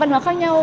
văn hóa khác nhau